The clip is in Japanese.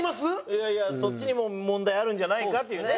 いやいやそっちにも問題あるんじゃないかというね。